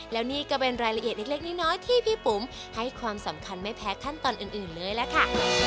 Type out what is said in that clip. แล้วนี่ก็เป็นรายละเอียดเล็กน้อยที่พี่ปุ๋มให้ความสำคัญไม่แพ้ขั้นตอนอื่นเลยล่ะค่ะ